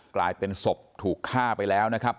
กลายเป็นศพถูกฆ่าไปแล้วนะครับ